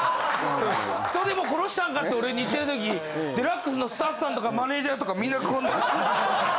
「人でも殺したんか？」って俺に言ってるとき『ＤＸ』のスタッフさんとかマネージャーとかみんなこんなん。